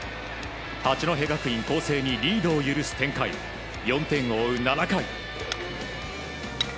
八戸学院光星にリードを許す展開４点を追う７回。